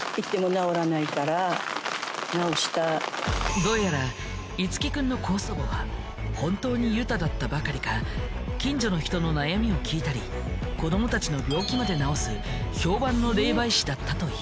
どうやら樹君の高祖母は本当にユタだったばかりか近所の人の悩みを聞いたり子どもたちの病気まで治すだったという。